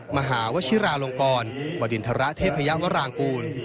มหาวชิราลงกรวดินทรเทพยาวรางกูล